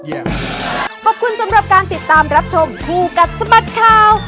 ขอบคุณสำหรับการติดตามรับชมคู่กัดสะบัดข่าว